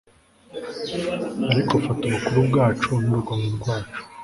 Ariko fata ubukuru bwacu nurugomo rwacu